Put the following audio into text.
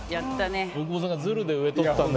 大久保さんがずるで上とったので。